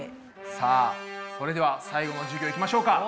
さあそれでは最後の授業いきましょうか。